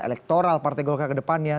elektoral partai golkar kedepannya